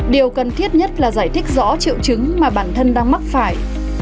điều cần thiết nhất là giải thích rõ triệu chứng mà bản thân đang mắc phải